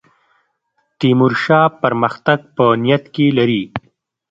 تیمورشاه پرمختګ په نیت کې لري.